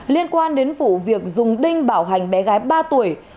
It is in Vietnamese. liên quan đến vụ việc dùng đinh bảo hành bé gái ba tuổi